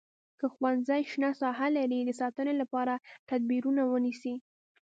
که ښوونځی شنه ساحه لري د ساتنې لپاره تدبیرونه ونیسئ.